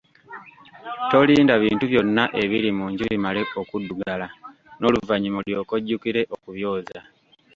Tolinda bintu byonna ebiri mu nju bimale okuddugala noluvanyuma olyoke ojjukire okubyoza.